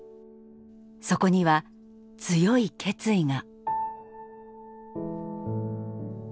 そこには強い決意が。